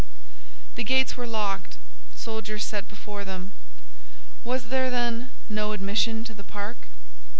The gates were locked, soldiers set before them: was there, then, no admission to the park?